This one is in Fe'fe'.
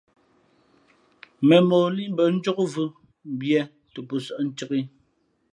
Mēmmᾱ o líʼ mbᾱ njǒkvʉ̄ mbiē tα pō sᾱʼ ncāk ǐ.